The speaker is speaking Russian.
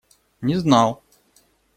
Не знал.